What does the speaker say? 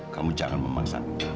kamu jangan memaksa